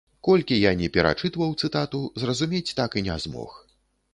Колькі я ні перачытваў цытату, зразумець так і не змог.